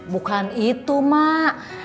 bukan itu mak